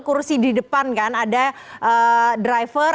kursi di depan kan ada driver